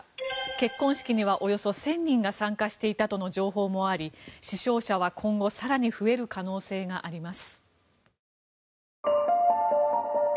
結婚式にはおよそ１０００人が参加していたとの情報もあり死傷者は今後更に増える可能性があります。